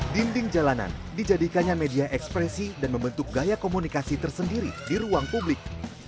dinding jalanan dijadikannya media ekspresi dan membentuk gaya komunikasi tersendiri di ruang publik